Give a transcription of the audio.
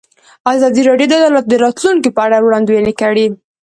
ازادي راډیو د عدالت د راتلونکې په اړه وړاندوینې کړې.